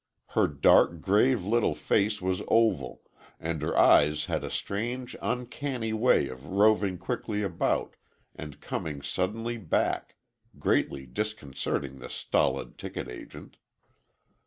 Her dark, grave little face was oval, and her eyes had a strange uncanny way of roving quickly about, and coming suddenly back, greatly disconcerting the stolid ticket agent.